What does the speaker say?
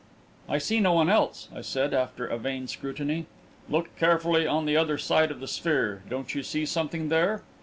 "I see no one else," I said, after a vain scrutiny. "Look carefully on the other side of the sphere. Don't you see something there?"